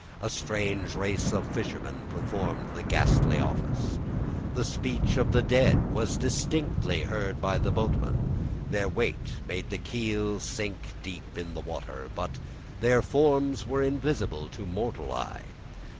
A strange race of fishermen performed the ghastly office. The speech of the dead was distinctly heard by the boatmen, their weight made the keel sink deep in the water; but their forms were invisible to mortal eye.